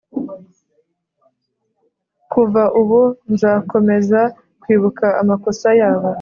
Kuva ubu nzakomeza kwibuka amakosa yabo,